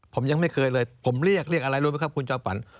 ผมยังไม่เคยเลยผมเรียกเรียกอะไรรู้ไหมครับคุณจอมฝัน